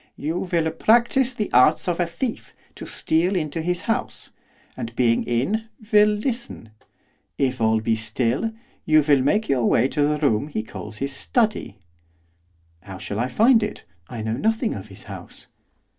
'You will practise the arts of a thief to steal into his house; and, being in, will listen. If all be still, you will make your way to the room he calls his study.' 'How shall I find it? I know nothing of his house.